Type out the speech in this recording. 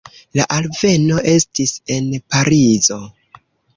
La alveno estis en Parizo.